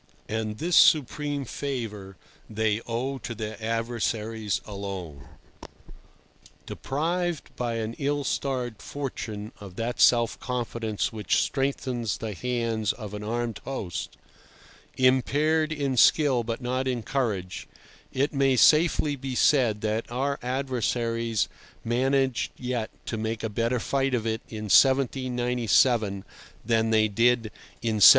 And this supreme favour they owe to their adversaries alone. Deprived by an ill starred fortune of that self confidence which strengthens the hands of an armed host, impaired in skill but not in courage, it may safely be said that our adversaries managed yet to make a better fight of it in 1797 than they did in 1793.